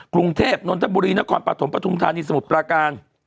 กรุงเทพนนทบุรีนครปฐมปฐุมธานีสมุทรปราการ